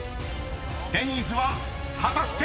デニーズは果たして⁉］